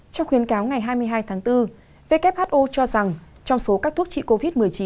trong khuyên cáo ngày hai mươi hai tháng bốn who cho rằng trong số các thuốc trị covid một mươi chín